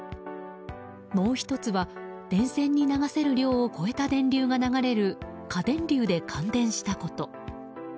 もう１つは、電線に流せる量を超えた電流が流れる過電流で感電したこと。